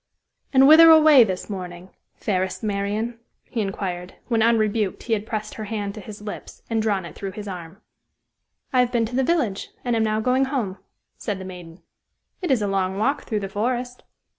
"And whither away this morning, fairest Marian?" he inquired, when unrebuked he had pressed her hand to his lips, and drawn it through his arm. "I have been to the village, and am now going home," said the maiden. "It is a long walk through the forest."